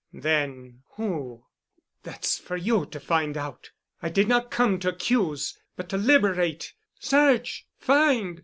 "Then who——?" "That's for you to find out. I did not come to accuse—but to liberate. Search! Find!